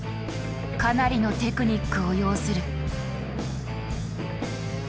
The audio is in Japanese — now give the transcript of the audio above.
かなりのテクニックを要する。